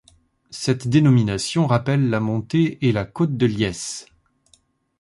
Cette dénomination rappelle la montée et la côte de Liesse.